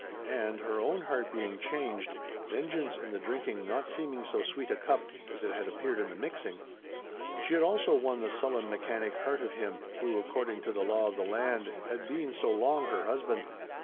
And her own heart being changed—vengeance in the drinking not seeming so sweet a cup as it had appeared in the mixing. She had also won the sullen mechanic heart of him, who, according to the law of the land, had been so long her husband.